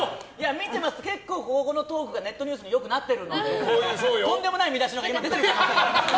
見てますと、結構このトークがネットニュースになってるのでとんでもない見出しのが。